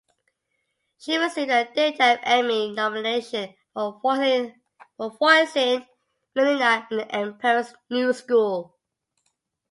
She received a Daytime Emmy nomination for voicing Malina in "The Emperor's New School".